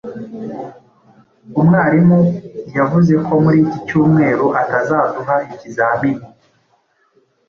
Umwarimu yavuze ko muri iki cyumweru atazaduha ikizamini.